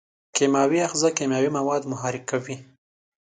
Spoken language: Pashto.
کیمیاوي آخذه کیمیاوي مواد محرک کوي.